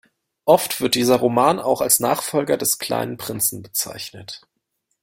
Oft wird dieser Roman auch als Nachfolger des "kleinen Prinzen" bezeichnet.